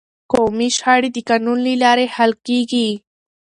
قومي شخړې د قانون له لارې حل کیږي.